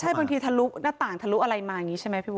ใช่บางทีทะลุหน้าต่างทะลุอะไรมาใช่ไหมพี่บุ๊ค